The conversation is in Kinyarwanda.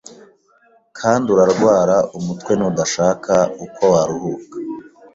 kandi uradwara umutwe nudashaka uko waruhuka...